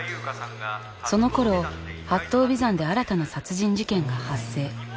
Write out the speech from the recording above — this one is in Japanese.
そのころ八頭尾山で新たな殺人事件が発生。